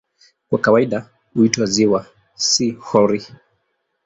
Kwa kawaida huitwa "ziwa", si "hori".